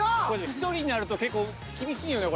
１人になると結構厳しいんよね